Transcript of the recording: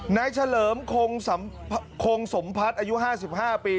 นายเฉลิมคงสมพัฒน์อายุห้าสิบห้าปี